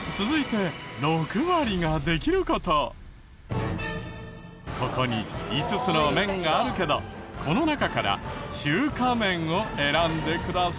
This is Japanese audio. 続いてここに５つの麺があるけどこの中から中華麺を選んでください。